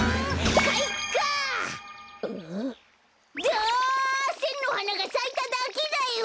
だあせんのはながさいただけだよ！